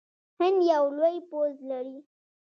هند یو لوی پوځ لري.